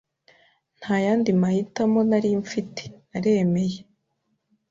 Ntayandi mahitamo nari mfite ,naremeye.